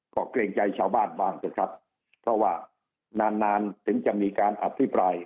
ก็เกรงใจชาวบ้านบ้างเถอะครับเพราะว่านานนานถึงจะมีการอภิปราย